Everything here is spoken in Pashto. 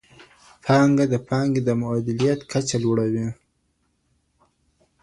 پانګه د پانګي د مؤلدېت کچه لوړوي.